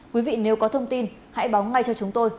quý vị nếu có thông tin hãy báo ngay cho chúng tôi